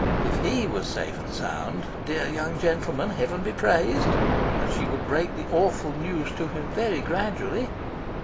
If he was safe and sound, dear young gentleman, heaven be praised! and she would break the awful news to him, very gradually.